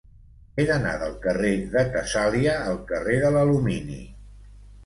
He d'anar del carrer de Tessàlia al carrer de l'Alumini.